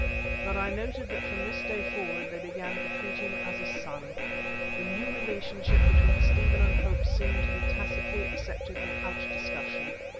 But I noted that from this day forward they began to treat him as a son. The new relationship between Stephen and Hope seemed to be tacitly accepted without discussion.